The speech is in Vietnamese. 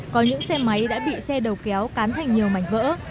có những xe máy đã bị xe đầu kéo cán thành nhiều mảnh vỡ